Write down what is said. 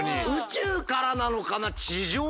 地上からなのかな？